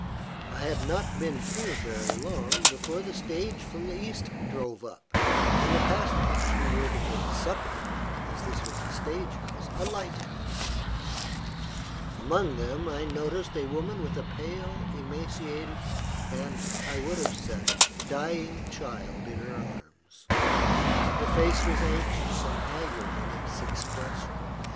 I had not been here very long before the stage from the East drove up, and the passengers, who were to take supper, as this was a stage house, alighted. Among them, I noticed a woman with a pale, emaciated, and, I would have said, dying child in her arms. Her face was anxious and haggard in its expression.